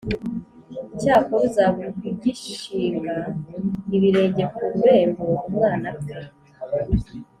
Icyakora uzaba ugishinga ibirenge ku rurembo, umwana apfe